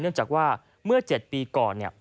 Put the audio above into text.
เนื่องจากว่าเมื่อ๗ปีก่อน